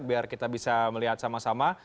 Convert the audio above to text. biar kita bisa melihat sama sama